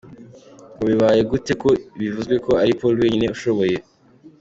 None bibaye gute ko bivuzwe ko ari Paul wenyine ushoboye!!??